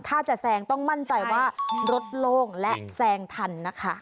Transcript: ถ้าจะแซงต้องมั่นใจว่ารถโล่งและแซงทันนะคะ